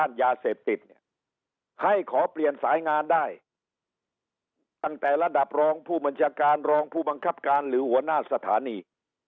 ให้ขอเปลี่ยนสายงานได้ตั้งแต่ระดับรองผู้บัญชาการรองผู้บังคับการหรือหัวหน้าสถานี